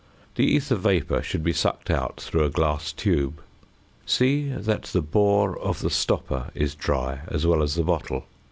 The ether vapour should be sucked out through a glass tube. See that the bore of the stopper is dry as well as the bottle.